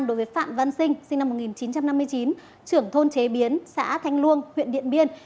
đối với phạm văn sinh sinh năm một nghìn chín trăm năm mươi chín trưởng thôn chế biến xã thanh luông huyện điện biên